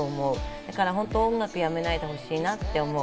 だから本当に音楽をやめないでほしいなと思う。